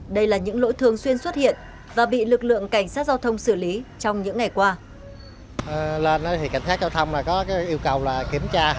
đây là những lỗi thường xuyên xuất hiện và bị lực lượng cảnh sát giao thông xử lý trong những ngày qua